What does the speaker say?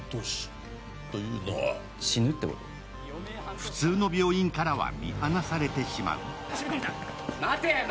普通の病院からは見放されてしまう。